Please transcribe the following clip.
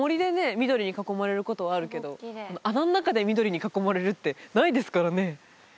緑に囲まれることはあるけど穴の中で緑に囲まれるってないですからね